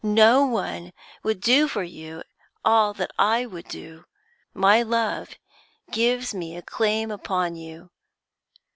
No one would do for you all that I would do. My love gives me a claim upon you.